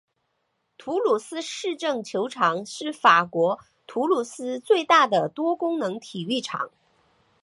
土鲁斯市政球场是法国土鲁斯最大的多功能体育场。